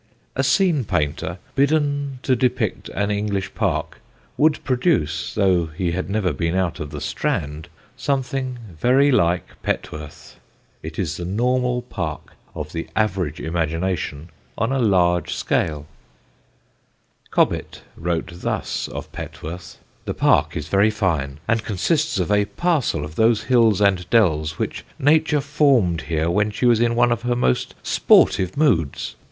A scene painter, bidden to depict an English park, would produce (though he had never been out of the Strand) something very like Petworth. It is the normal park of the average imagination on a large scale. [Illustration: Almshouse at Petworth.] Cobbett wrote thus of Petworth: "The park is very fine, and consists of a parcel of those hills and dells which nature formed here when she was in one of her most sportive moods.